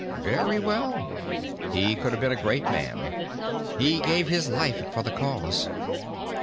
"Very well. He could have been a great man. He gave his life for the Cause.